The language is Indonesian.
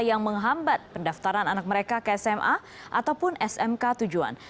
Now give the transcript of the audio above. yang menghambat pendaftaran anak mereka ke sma ataupun smk tujuan